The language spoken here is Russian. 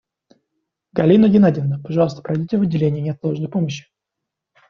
Галина Геннадьевна, пожалуйста, пройдите в отделение неотложной помощи.